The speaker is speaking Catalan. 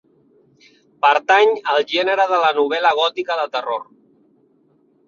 Pertany al gènere de la novel·la gòtica de terror.